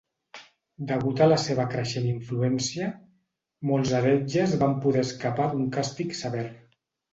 Degut a la seva creixent influència, molts heretges van poder escapar d'un càstig sever.